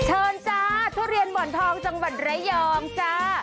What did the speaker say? เชิญจ้าทุเรียนหมอนทองจังหวัดระยองจ้า